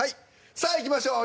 さあいきましょう。